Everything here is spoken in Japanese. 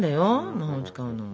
魔法使うのも。